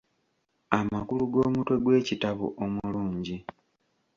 Amakulu g’omutwe gw'ekitabo omulungi.